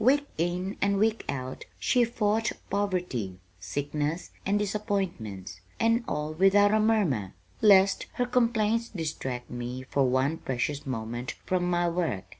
"Week in and week out she fought poverty, sickness, and disappointments, and all without a murmur, lest her complaints distract me for one precious moment from my work.